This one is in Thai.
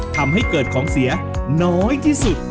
ทำให้เกิดของเสียน้อยที่สุด